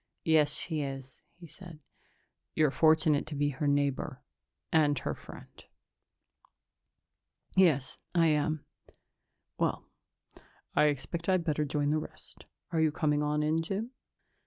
"Yes, she is," he said. "You're fortunate to be her neighbor ... and her friend." "Yes, I am." "Well, I expect I'd better join the rest. Are you coming on in, Jim?"